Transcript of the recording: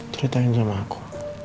ceritain sama aku